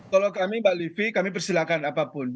kalau kami mbak livi kami persilahkan apapun